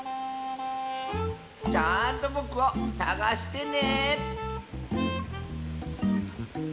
ちゃんとぼくをさがしてね！